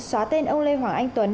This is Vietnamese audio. xóa tên ông lê hoàng anh tuấn